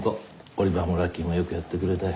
オリバーもラッキーもよくやってくれたよ。